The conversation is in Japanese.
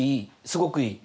すごくいい。